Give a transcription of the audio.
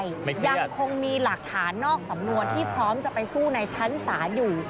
ยังคงมีหลักฐานนอกสำนวนที่พร้อมจะไปสู้ในชั้นศาลอยู่